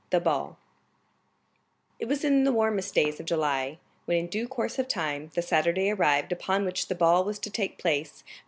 The Ball It was in the warmest days of July, when in due course of time the Saturday arrived upon which the ball was to take place at M.